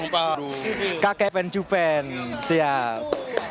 bagaimana nih tanggapan bapak bapak epen cupen bang dodi dan bang nato semuanya segalanya